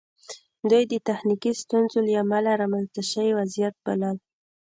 دوی د تخنیکي ستونزو له امله رامنځته شوی وضعیت بلل